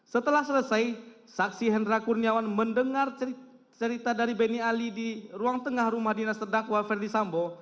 setelah selesai saksi hendra kurniawan mendengar cerita dari benny ali di ruang tengah rumah dinas terdakwa ferdi sambo